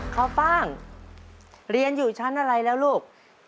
ข้าวฟ่างเรียนอยู่ชั้นอะไรแล้วลูก